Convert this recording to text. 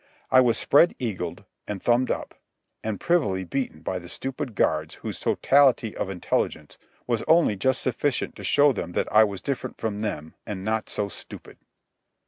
I was spread eagled, and thumbed up, and privily beaten by the stupid guards whose totality of intelligence was only just sufficient to show them that I was different from them and not so stupid.